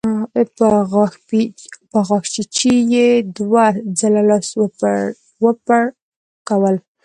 په غاښچيچي يې دوه ځله لاسونه وپړکول.